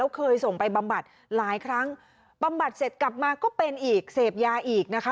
เคยส่งไปบำบัดหลายครั้งบำบัดเสร็จกลับมาก็เป็นอีกเสพยาอีกนะคะ